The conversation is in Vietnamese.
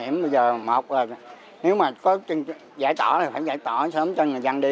hẻm bây giờ một là nếu mà có dải tỏa thì phải dải tỏa sớm cho người dân đi